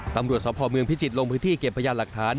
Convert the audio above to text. ตำรวจสพเมืองพิจิตรลงพื้นที่เก็บพยานหลักฐาน